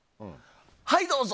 はいどうぞ！